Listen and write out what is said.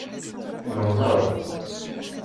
Nemmẓer.